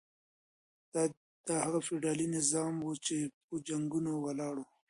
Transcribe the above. دا هغه فيوډالي نظام و چي په جنګونو ولاړ و.